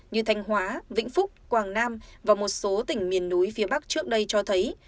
như thanh hóa vĩnh phúc quảng nam và một số tỉnh miền núi phía bắc trước đây cho thấy